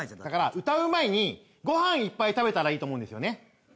だから歌う前にご飯いっぱい食べたらいいと思うんですよね。